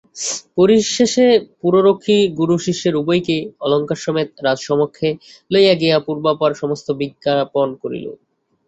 পরিশেষে পুররক্ষী গুরু শিষ্য উভয়কে অলঙ্কারসমেত রাজসমক্ষে লইয়া গিয়া পূর্বাপর সমস্ত বিজ্ঞাপন করিল।